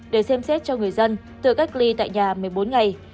để xem xét cho người dân tự cách ly tại nhà một mươi bốn ngày